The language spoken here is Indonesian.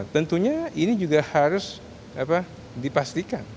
tentunya ini juga harus dipastikan